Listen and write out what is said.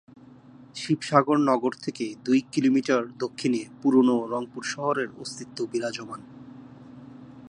শিবসাগর নগর থেকে দুই কি; মি দক্ষিণে পুরানো রংপুর শহরের অস্তিত্ব বিরাজমান।